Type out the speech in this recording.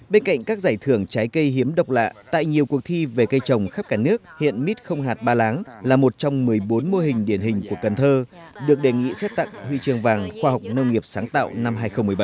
bên cạnh các giải thưởng trái cây hiếm độc lạ tại nhiều cuộc thi về cây trồng khắp cả nước hiện mít không hạt ba láng là một trong một mươi bốn mô hình điển hình của cần thơ được đề nghị xét tặng huy trường vàng khoa học nông nghiệp sáng tạo năm hai nghìn một mươi bảy